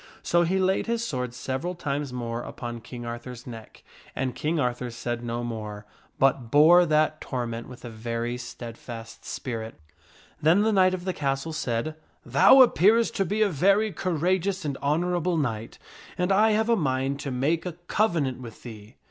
So he laid his sword several times more upon King Arthur's neck, and King Arthur said no more, but bore that torment with a very steadfast spirit. Then the knight of the castle said, " Thou appearest to be a very cour ageous and honorable knight, and I have a mind to make a covenant with thee."